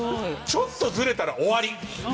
ちょっとずれたら終わり。